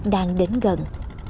đang đến gần